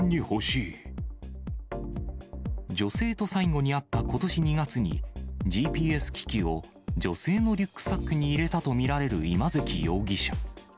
女性と最後に会ったことし２月に、ＧＰＳ機器を女性のリュックサックに入れたと見られる今関容疑者。